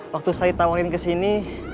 waktu saya tawarin ke sini